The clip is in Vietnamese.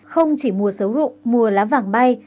không chỉ mùa sấu rụng mùa lá vàng bay